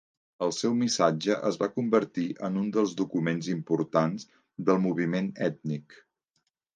El seu missatge es va convertir en un dels documents importants del "moviment ètnic".